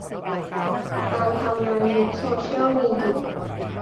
การทำงานยุคโซเซียลมีเดีย